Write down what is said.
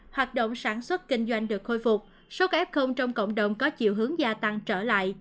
hoạt động sản xuất kinh doanh được khôi phục số ca ép không trong cộng đồng có chiều hướng gia tăng trở lại